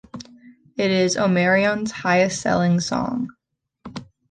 It is Omarion's highest selling song.